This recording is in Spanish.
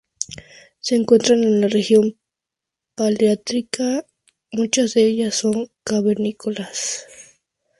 Se encuentran en la región paleártica; muchas de ellas son cavernícolas.